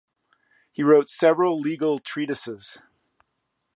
He wrote several legal treatises.